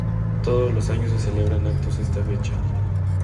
Todos los años se celebran actos esta fecha.